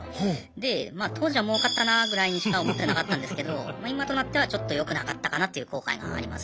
で当時はもうかったなぐらいにしか思ってなかったんですけど今となってはちょっとよくなかったかなという後悔があります。